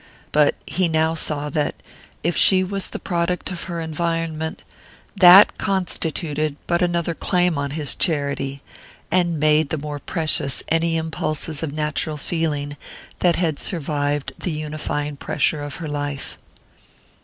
But he now saw that, if she was the product of her environment, that constituted but another claim on his charity, and made the more precious any impulses of natural feeling that had survived the unifying pressure of her life.